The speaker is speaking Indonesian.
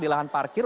di lahan parkir